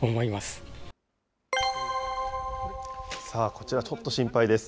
こちら、ちょっと心配です。